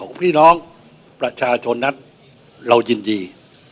พี่น้องประชาชนนั้นเรายินดี